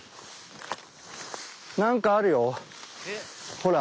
ほら。